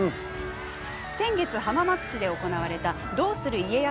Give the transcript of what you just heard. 先月、浜松市で行われた「どうする家康」